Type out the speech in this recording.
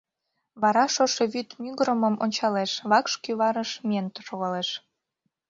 Вара шошо вӱд мӱгырымым ончалеш, вакш кӱварыш миен шогалеш.